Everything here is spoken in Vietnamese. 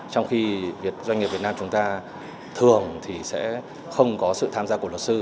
trong khi doanh nghiệp việt nam chúng ta thường thì sẽ không có sự tham gia của luật sư